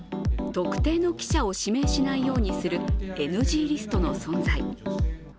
特定の記者を指名しないようにするＮＧリストの存在。